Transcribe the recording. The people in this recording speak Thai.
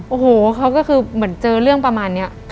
โอ้โหเขาก็คือเหมือนเจอเรื่องประมาณนี้